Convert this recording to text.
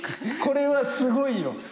これはすごいよ。